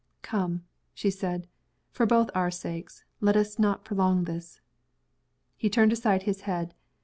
"Come!" she said. "For both our sakes, let us not prolong this." He turned aside his head.